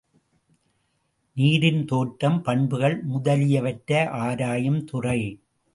நீரின் தோற்றம் பண்புகள் முதலியவற்றை ஆராயும் துறை.